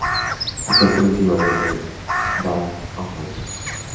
Actuó por última vez en "Band of Angels".